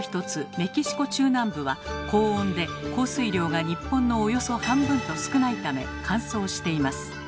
メキシコ中南部は高温で降水量が日本のおよそ半分と少ないため乾燥しています。